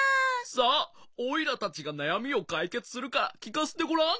さあおいらたちがなやみをかいけつするからきかせてごらん。